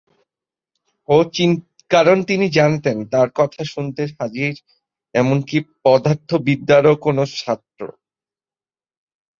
কারণ তিনি জানতেন, তাঁর কথা শুনতে হাজির এমনকি পদার্থবিদ্যারও কোনো ছাত্র।